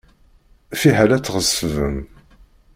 Fiḥel ad tɣeṣbem.